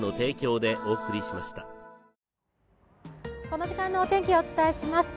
この時間のお天気をお伝えします。